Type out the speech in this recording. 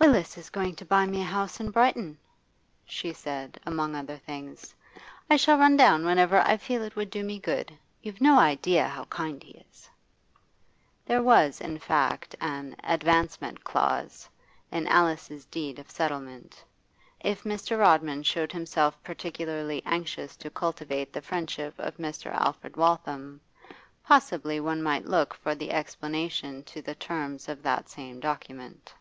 'Willis is going to buy me a house in Brighton,' she said, among other things. 'I shall run down whenever I feel it would do me good. You've no idea how kind he is.' There was, in fact, an 'advancement clause' in Alice's deed of settlement. If Mr. Rodman showed himself particularly anxious to cultivate the friendship of Mr. Alfred Waltham, possibly one might look for the explanation to the terms of that same document.